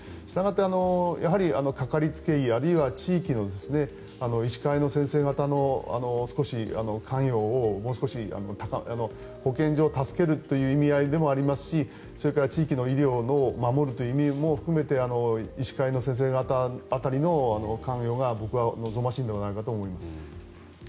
したがってやはり、かかりつけ医あるいは地域の医師会の先生方の少し関与をもう少し保健所を助けるという意味合いでもありますしそれから地域の医療を守るという意味も含めて医師会の先生方辺りの関与が僕は望ましいのではないかと思います。